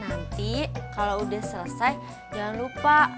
nanti kalau udah selesai jangan lupa